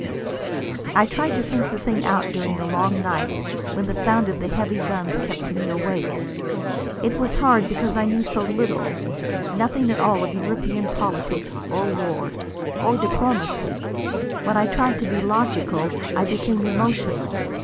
I tried to think the thing out during the long nights when the sound of the heavy guns kept me awake. It was hard, because I knew so little, nothing at all of European politics, or war, or diplomacy. When I tried to be logical, I became emotional.